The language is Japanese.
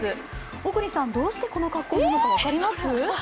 小栗さん、どうしてこの格好だか分かります？